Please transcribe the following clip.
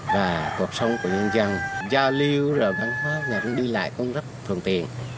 và cuộc sống của nhân dân giao lưu và văn hóa nhà đứng đi lại cũng rất thường tiện